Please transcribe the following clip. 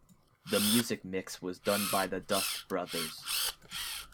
The music mix was done by the Dust Brothers.